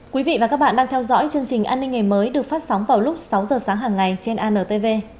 quý vị và các bạn đang theo dõi chương trình an ninh ngày mới được phát sóng vào lúc sáu giờ sáng hàng ngày trên antv